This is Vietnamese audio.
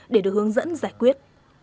để được hướng dẫn giải quyết